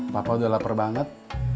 bapak udah lapar banget